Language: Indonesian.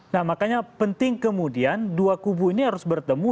nah makanya penting kemudian dua kubu ini harus bertemu